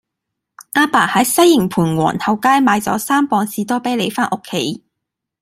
亞爸喺西營盤皇后街買左三磅士多啤梨返屋企